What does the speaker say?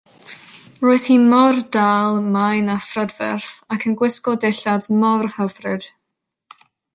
Roedd hi mor dal, main a phrydferth ac yn gwisgo dillad mor hyfryd.